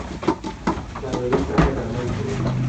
ناروغي څنګه درمل کړو؟